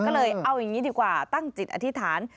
ก็เลยเอาอย่างนี้ดีกว่าตั้งจิตอธิษฐาน